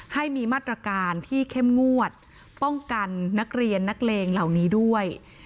ให้มีมาตรการที่เข้มงวดป้องกันนักเรียนนักเลงเหล่านี้ด้วย